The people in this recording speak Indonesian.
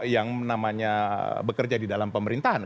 yang namanya bekerja di dalam pemerintahan